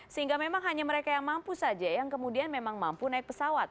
sehingga memang hanya mereka yang mampu saja yang kemudian memang mampu naik pesawat